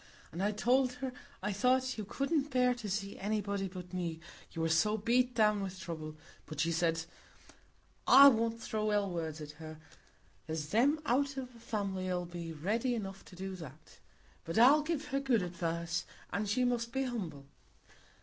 And I told her I thought you couldn't bear to see anybody but me, you were so beat down with trouble; but she said, 'I won't throw ill words at her; there's them out o' th' family 'ull be ready enough to do that. But I'll give her good advice; an' she must be humble.